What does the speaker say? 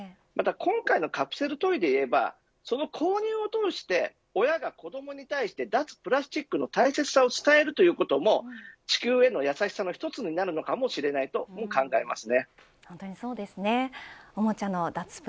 また、今回のカプセルトイでいえばその購入を通して親が子どもに対して脱プラスチックの大切さを伝えることも地球への優しさの一つになるかもしれないと考えます。